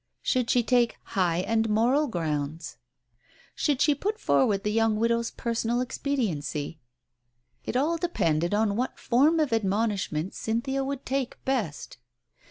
Should she take high moral grounds ? Should she put forward the young widow's personal expediency ? It all depended on what form of admonish ment Cynthia would take best.